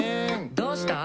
「どうした？」